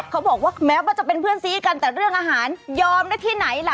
เขาบอกว่าแม้ว่าจะเป็นเพื่อนซีกันแต่เรื่องอาหารยอมได้ที่ไหนล่ะ